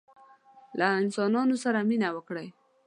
له انسانانو سره مینه وکړئ